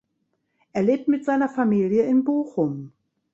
Er lebt mit seiner Familie in Bochum.